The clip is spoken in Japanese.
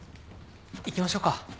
行きましょうか。